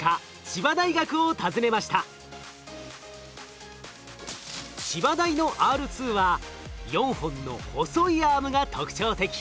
千葉大のＲ２は４本の細いアームが特徴的。